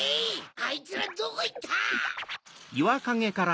あいつらどこいった？